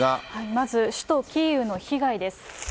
まず、首都キーウの被害です。